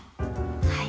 はい。